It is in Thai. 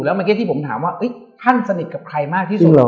แล้วมันก็คือที่ผมถามว่าท่านสนิทกับใครมากที่สุด